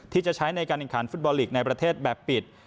ที่จะใช้ในการแข่งขันฟุตบอลลีกในประเทศแบบปิด